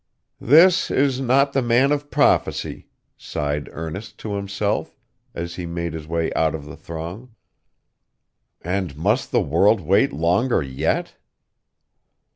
'This is not the man of prophecy,' sighed Ernest to himself, as he made his way out of the throng. 'And must the world wait longer yet?